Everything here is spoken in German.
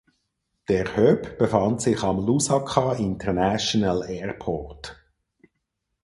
Der Hub befand sich am Lusaka International Airport.